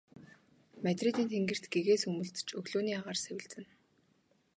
Мадридын тэнгэрт гэгээ сүүмэлзэж өглөөний агаар сэвэлзэнэ.